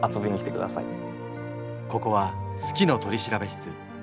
ここは「好きの取調室」。